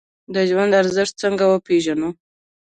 د ژوند ارزښت څنګه وپیژنو؟